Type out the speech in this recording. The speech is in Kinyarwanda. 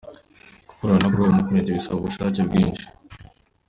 Gukorana na ‘Grow Movement ‘bisaba ubushake bwinshi.